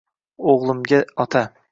Oʼgʼlimga – ota